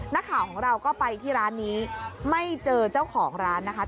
นักข่าวของเราก็ไปที่ร้านนี้ไม่เจอเจ้าของร้านนะคะ